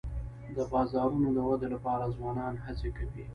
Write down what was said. د بازارونو د ودي لپاره ځوانان هڅي کوي.